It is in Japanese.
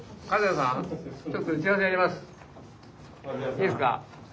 いいですか？